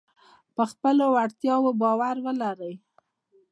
پر خپلو وړتیاو باور ولرئ.